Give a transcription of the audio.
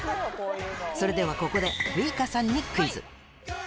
それではここで、ウイカさんにクイズ。